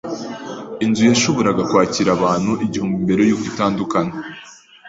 Inzu yashoboraga kwakira abantu igihumbi mbere yuko itandukana.